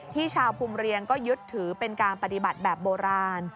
ชาวภูมิเรียงก็ยึดถือเป็นการปฏิบัติแบบโบราณ